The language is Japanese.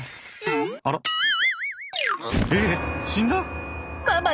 アラえっ死んだ！？